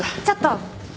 ちょっと。